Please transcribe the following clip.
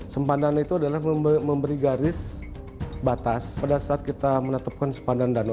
sempadan itu adalah memberi garis batas pada saat kita menetapkan sepadan danau